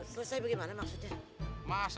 selesai bagaimana maksudnya